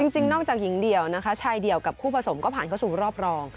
จริงนอกจากหญิงเดี่ยวนะคะชายเดี่ยวกับคู่ผสมก็ผ่านเข้าสู่รอบรอง